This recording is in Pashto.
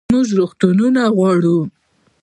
موږ روغتونونه غواړو